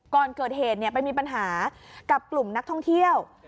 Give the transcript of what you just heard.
ก่อนเกิดเหตุไปมีปัญหากับกลุ่มนักท่องเที่ยว